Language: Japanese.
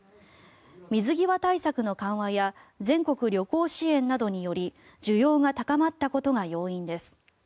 水際対策の緩和や全国旅行支援などにより需要が高まったことが要因です。